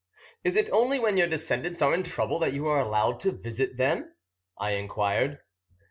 "Is it only when your descendants are in trouble that you are allowed to visit them?" I enquired.